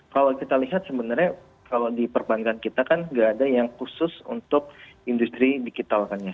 kalau kita lihat sebenarnya kalau di perbankan kita kan nggak ada yang khusus untuk industri digital kan ya